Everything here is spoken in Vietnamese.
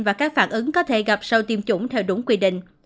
và các phản ứng có thể gặp sau tiêm chủng theo đúng quy định